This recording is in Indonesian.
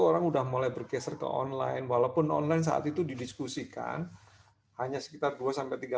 orang udah mulai bergeser ke online walaupun online saat itu didiskusikan hanya sekitar dua sampai tiga puluh